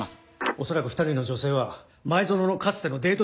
恐らく２人の女性は前薗のかつてのデート